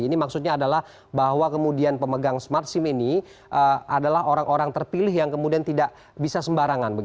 ini maksudnya adalah bahwa kemudian pemegang smart sim ini adalah orang orang terpilih yang kemudian tidak bisa sembarangan